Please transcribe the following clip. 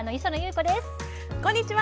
こんにちは。